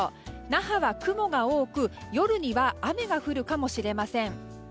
那覇は雲が多く夜には雨が降るかもしれません。